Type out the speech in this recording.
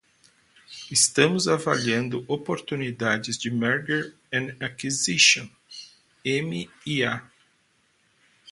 Estamos avaliando oportunidades de merger and acquisition (M&A).